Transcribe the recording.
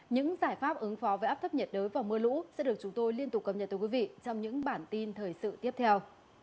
những giải pháp ứng phó với áp thấp nhiệt đới và mưa lũ sẽ được chúng tôi liên tục cập nhật tới quý vị trong những bản tin thời sự tiếp theo